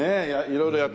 色々やって。